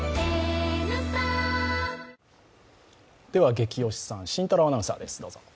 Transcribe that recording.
「ゲキ推しさん」、慎太郎アナウンサーです。